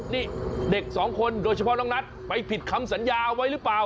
นี่เด็กสองคนโดยเฉพาะน้องนัทไปผิดคำสัญญาไว้หรือเปล่า